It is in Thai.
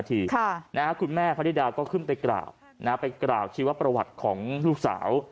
แล้วขุ่นแม่ภัทริดาลก็ขึ้นไปกล่าวชีวประวัติของลูกสาว